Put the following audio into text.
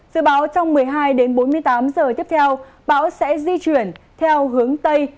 dự báo trong một mươi hai đến bốn mươi tám giờ tiếp theo bão sẽ di chuyển theo hướng tây